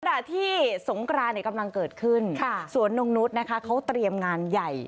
เมื่อสงกราณกำลังเกิดขึ้นสวนนุ้งนุษย์เขาเตรียมงานใหญ่